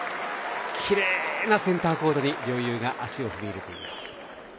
きれいなセンターコートに足を踏み入れています。